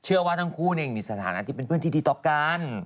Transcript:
เชื่อว่าทั้งคู่มีสถานะที่เป็นเพื่อนที่ดีต่อกัน